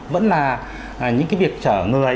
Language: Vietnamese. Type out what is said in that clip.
vẫn là những cái việc chở người